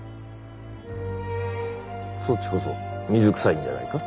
そっちこそ水くさいんじゃないか？